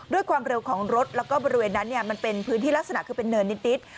ด้วยความเร็วของรถแล้วก็บริเวณนั้นมันเป็นพื้นที่ลักษณะคือเป็นเนินนิด